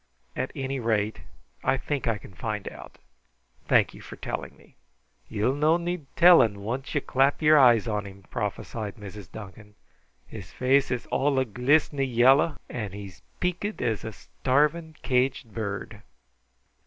At any rate, I think I can find out. Thank you for telling me." "Ye'll no need telling, once ye clap your eyes on him," prophesied Mrs. Duncan. "His face is all a glist'ny yellow, and he's peaked as a starving caged bird."